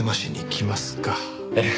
ええ。